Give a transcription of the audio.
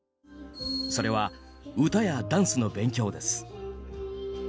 それは、歌やダンスの勉強です。